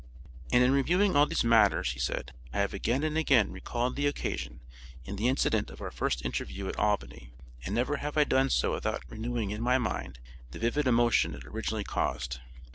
And in reviewing all these matters, he said: "I have again and again recalled the occasion, and the incident of our first interview at Albany; and never have I done so without renewing in my mind the vivid emotion it originally caused.